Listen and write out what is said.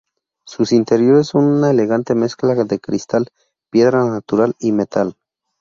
Sus interiores son una elegante mezcla de cristal, piedra natural y metal.